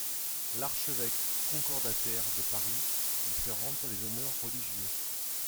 L'archevêque concordataire de Paris lui fait rendre les honneurs religieux.